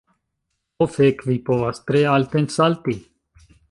Ho fek', vi povas tre alten salti.